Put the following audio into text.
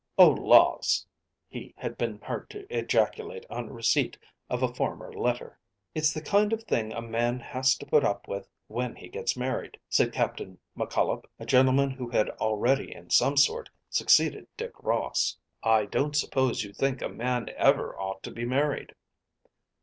"Oh, laws!" he had been heard to ejaculate on receipt of a former letter. "It's the kind of thing a man has to put up with when he gets married," said Captain McCollop, a gentleman who had already in some sort succeeded Dick Ross. "I don't suppose you think a man ever ought to be married."